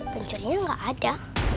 bentuknya gak ada